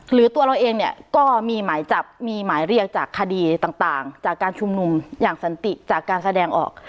ตัวเราเองเนี่ยก็มีหมายจับมีหมายเรียกจากคดีต่างจากการชุมนุมอย่างสันติจากการแสดงออก